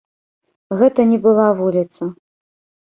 Гэта не была вуліца.